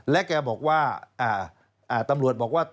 และตำรวจบอกว่า